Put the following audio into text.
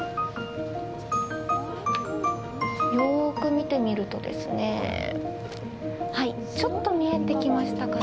よく見てみるとですねちょっと見えてきましたかね。